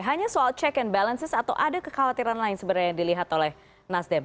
hanya soal check and balances atau ada kekhawatiran lain sebenarnya yang dilihat oleh nasdem